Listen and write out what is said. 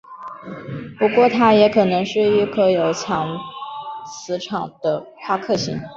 不过它也可能是一颗有强磁场的夸克星。